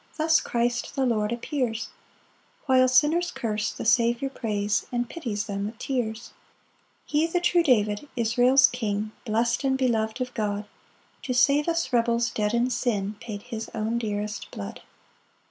Thus Christ the Lord appears; While sinners curse, the Saviour prays, And pities them with tears. 6 He, the true David, Israel's king, Blest and belov'd of God, To save us rebels dead in sin, Paid his own dearest blood.